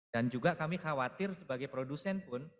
dan juga kami khawatir sebagai produsen pun